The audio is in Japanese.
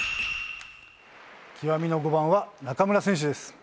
極みの５番は中村選手です。